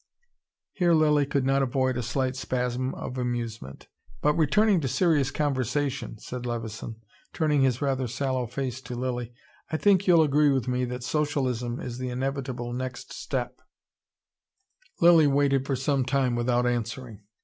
Here Lilly could not avoid a slight spasm of amusement. "But returning to serious conversation," said Levison, turning his rather sallow face to Lilly. "I think you'll agree with me that socialism is the inevitable next step " Lilly waited for some time without answering.